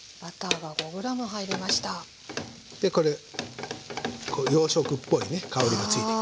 でこれこう洋食っぽいね香りが付いてくる。